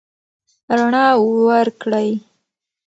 رڼا ورکړئ.